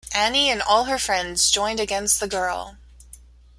Annie and all her friends joined against the girl.